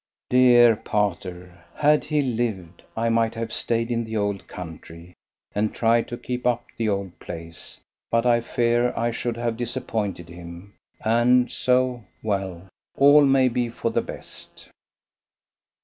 Dear pater, had he lived I might have stayed in the old country, and tried to keep up the old place; but I fear I should have disappointed him, and so well, all may be for the best.